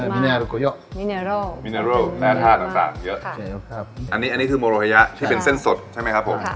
แม่ธาตุต่างเยอะอันนี้อันนี้คือโมโรฮะยะที่เป็นเส้นสดใช่ไหมครับผม